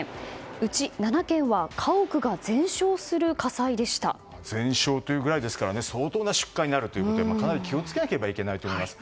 うち７件は全焼というくらいですから相当な出火になるということでかなり気を付けないといけないと思います。